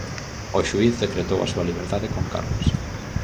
O xuíz decretou a súa liberdade con cargos.